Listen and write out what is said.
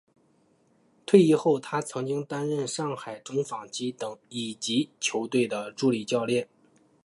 退役后他曾经担任上海中纺机等乙级球队的助理教练。